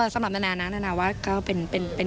สำหรับนานานะนานาว่าก็เป็นอย่างนั้น